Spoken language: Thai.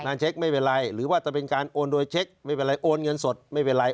เช็คไม่เป็นไรหรือว่าจะเป็นการโอนโดยเช็คไม่เป็นไรโอนเงินสดไม่เป็นไร